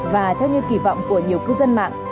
và theo như kỳ vọng của nhiều cư dân mạng